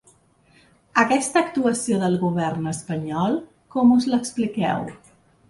Aquesta actuació del govern espanyol, com us l’expliqueu?